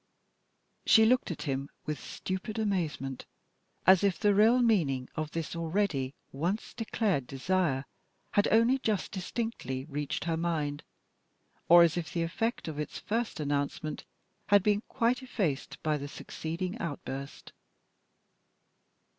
She looked at him with stupid amazement, as if the real meaning of this already once declared desire had only just distinctly reached her mind, or as if the effect of its first announcement had been quite effaced by the succeeding outburst.